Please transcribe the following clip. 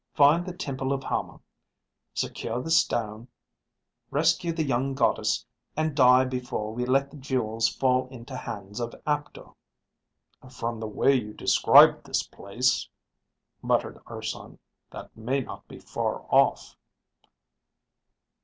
"Find the Temple of Hama, secure the stone, rescue the young Goddess, and die before we let the jewels fall into hands of Aptor." "From the way you describe this place," muttered Urson, "that may not be far off."